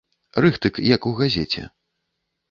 Рыхтык як у газеце.